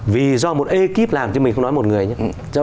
vì do một ekip làm chứ mình không nói một người nhé